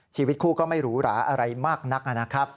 ชีวิตคู่ก็ไม่รู้หราอะไรมากนักนะครับ